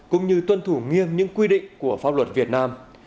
cũng như tuân thủ nghiêm những quy định của pháp luật việt nam